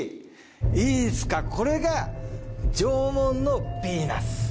いいですかこれが縄文のビーナス。